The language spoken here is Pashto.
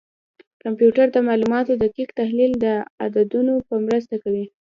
کمپیوټر د معلوماتو دقیق تحلیل د عددونو په مرسته کوي.